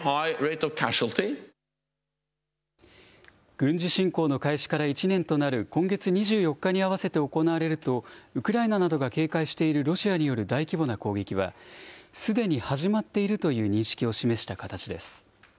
軍事侵攻の開始から１年となる今月２４日に合わせて行われるとウクライナなどが警戒しているロシアによる大規模な攻撃は、すでに始まっているという認識を示した形です。